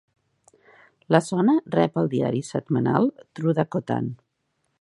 La zona rep el diari setmanal "True Dakotan".